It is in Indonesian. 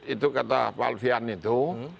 itu kata pak alfian itu